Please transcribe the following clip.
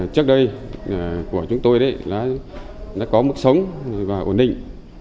trước đây của chúng tôi đã có mức sống và ổn định